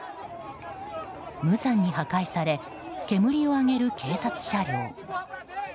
無残に破壊され煙を上げる警察車両。